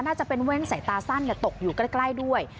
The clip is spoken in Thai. น่าจะเป็นแว่นใส่ตาสั้นตกอยู่ใกล้ด้วย